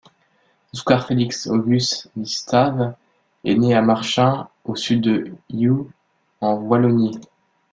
Oscar-Félix-Auguste Distave est né à Marchin, au sud de Huy, en Wallonie.